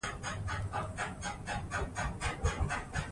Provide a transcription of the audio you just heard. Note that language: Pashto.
قاعده په پوهېدو کښي مرسته کوي.